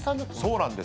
そうなんです。